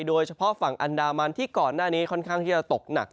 โดยเฉพาะฝั่งอันดามันที่ก่อนหน้านี้ค่อนข้างที่จะตกหนัก